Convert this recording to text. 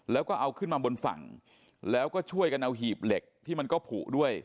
แล้วก็เอาขึ้นมาบนฝั่งแล้วก็ช่วยกันเอาหีบเหล็กที่มันก็ผูกด้วย